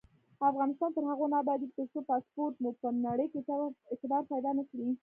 افغانستان تر هغو نه ابادیږي، ترڅو پاسپورت مو په نړۍ کې اعتبار پیدا نکړي.